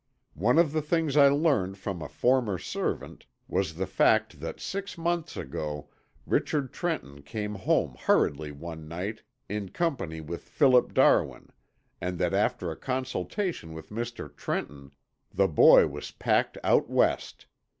One of the things I learned from a former servant was the fact that six months ago Richard Trenton came home hurriedly one night in company with Philip Darwin and that after a consultation with Mr. Trenton, the boy was packed out West.